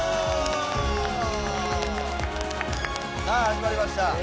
さあはじまりました。